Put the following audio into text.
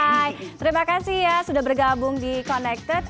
hai terima kasih ya sudah bergabung di connected